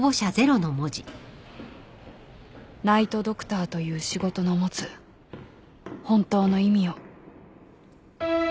［ナイト・ドクターという仕事の持つ本当の意味を］